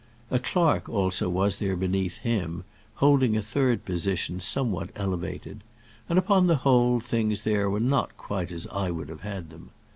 A clerk also was there beneath him, holding a third position somewhat elevated; and upon the whole things there were not quite as I would have had them.